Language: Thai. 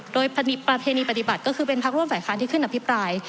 โดยประเพณีปฏิบัติก็คือเป็นพักร่วมฝ่ายค้านที่ขึ้นอภิปราย